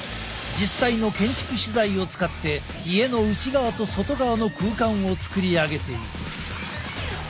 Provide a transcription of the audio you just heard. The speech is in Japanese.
実際の建築資材を使って家の内側と外側の空間を作り上げていく。